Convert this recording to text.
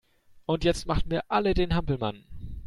Und jetzt machen wir alle den Hampelmann!